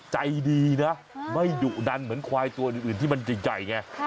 ใจดีนะไม่ดุดันเหมือนควายตัวอื่นที่มันใหญ่ไง